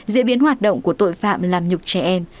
diễn biến hoạt động của tội phạm làm nhục trẻ em